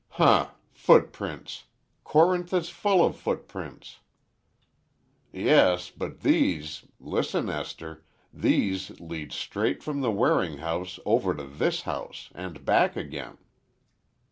"Huh! footprints! Corinth is full of footprints." "Yes, but these—listen, Esther—these lead straight from the Waring house, over to this house. And back again."